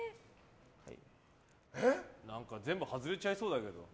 全部外れちゃいそうだけど。